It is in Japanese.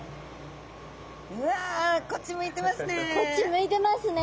うわこっち向いてますね。